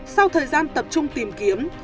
sau thời gian tập trung tìm kiếm